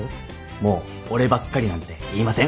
もう俺ばっかりなんて言いません